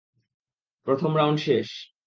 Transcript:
প্রথম রাউন্ড শেষ।